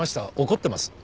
怒ってます？